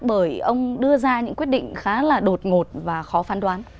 bởi ông đưa ra những quyết định khá là đột ngột và khó phán đoán